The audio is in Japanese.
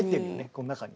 この中に。